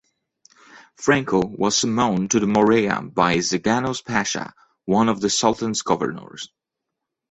Franco was summoned to the Morea by Zaganos Pasha, one of the sultan's governors.